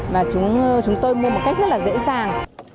chúng tôi mua một cách rất là dễ dàng